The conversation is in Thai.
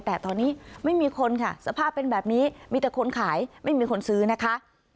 แต่ตอนนี้ไม่มีคนค่ะสภาพเป็นแบบนี้มีแต่คนขายไม่มีคนซื้อนะคะ